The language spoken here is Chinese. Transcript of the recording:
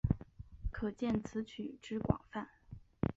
可见此曲之广泛。